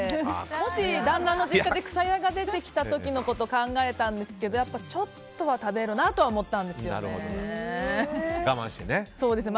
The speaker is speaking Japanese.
もし、旦那の実家でくさやが出てきた時のことを考えるとやっぱり、ちょっとは食べるなと思ったんですよね。